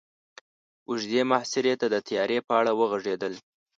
اوږدې محاصرې ته د تياري په اړه وغږېدل.